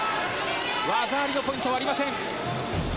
技ありのポイントはありません。